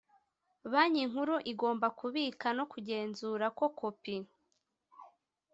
Banki Nkuru igomba kubika no kugenzura ko kopi